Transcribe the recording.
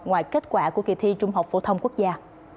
ngoài kết quả của kỳ thi trung học phổ thông quốc gia